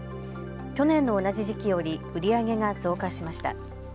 去年の同じ時期より売り上げが増加しました。